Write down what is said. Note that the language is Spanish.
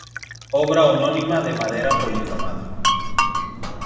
Obra anónima de madera policromada.